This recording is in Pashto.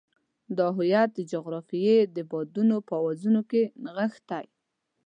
دا هویت د جغرافیې د بادونو په اوازونو کې نغښتی.